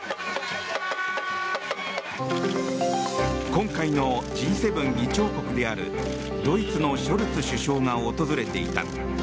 今回のＧ７議長国であるドイツのショルツ首相が訪れていた。